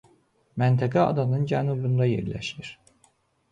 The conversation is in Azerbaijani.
Məntəqə adanın cənubunda yerləşir.